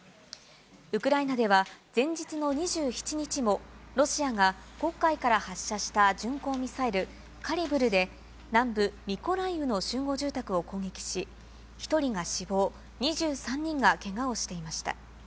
ウクライナでは前日の２７日も、ロシアが黒海から発射した巡航ミサイル、カリブルで、南部ミコライウの集合住宅を攻撃し、１人が死亡、２３人がけがをしていました。